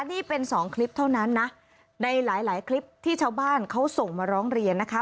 นี่เป็นสองคลิปเท่านั้นนะในหลายหลายคลิปที่ชาวบ้านเขาส่งมาร้องเรียนนะคะ